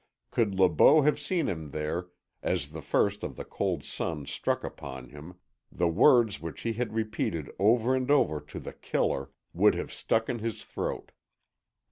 Could Le Beau have seen him there, as the first of the cold sun struck upon him, the words which he had repeated over and over to The Killer would have stuck in his throat.